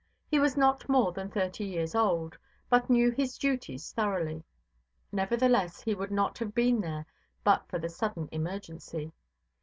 He was not more than thirty years old, but knew his duties thoroughly; nevertheless, he would not have been there but for the sudden emergency.